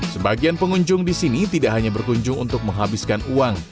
sebagian pengunjung di sini tidak hanya berkunjung untuk menghabiskan uang